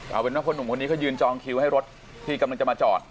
เอาเป็นว่าพ่อหนุ่มคนนี้เขายืนจองคิวให้รถที่กำลังจะมาจอด